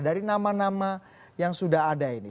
dari nama nama yang sudah ada ini